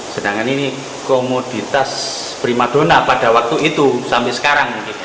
sedangkan ini komoditas primadona pada waktu itu sampai sekarang